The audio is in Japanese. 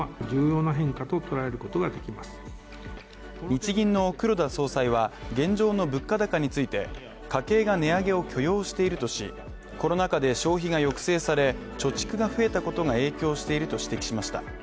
日銀の黒田総裁は、現状の物価高について、家計が値上げを許容しているとし、コロナ禍で消費が抑制され、貯蓄が増えたことが影響していると指摘しました。